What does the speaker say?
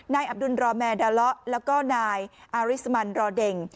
อับดุลรอแมร์ดาเลาะแล้วก็นายอาริสมันรอเด็ง